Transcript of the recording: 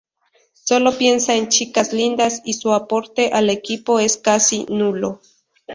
Solo piensa en chicas lindas y su aporte al equipo es casi nulo.